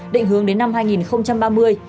định hướng đến năm hai nghìn ba mươi